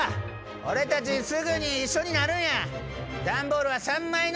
俺たちすぐに一緒になるんや！